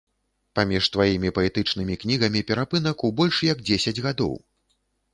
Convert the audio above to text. Паміж тваімі паэтычнымі кнігамі перапынак у больш як дзесяць гадоў.